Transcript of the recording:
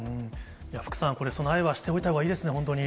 福さん、備えはしておいたほうがいいですね、本当に。